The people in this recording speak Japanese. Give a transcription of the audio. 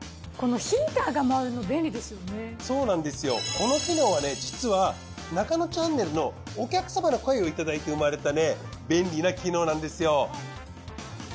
この機能はね実は『ナカノチャンネル』のお客様の声をいただいて生まれた便利な機能なんですよ。